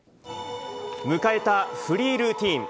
迎えたフリールーティン。